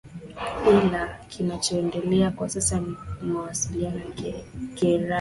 ila kinachoendelea kwa sasa ni mawasiliano ya karibu